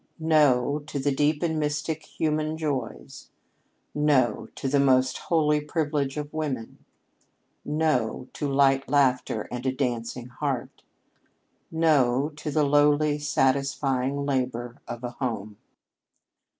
"No," to the deep and mystic human joys; "no" to the most holy privilege of women; "no" to light laughter and a dancing heart; "no" to the lowly, satisfying labor of a home.